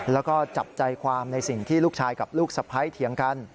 แล้วก็จับใจความในสิ่งที่ลูกชายกับลูกสะพ้ายเถียงกัน